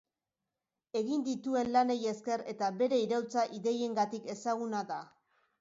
Egin dituen lanei esker eta bere iraultza ideiengatik ezaguna da.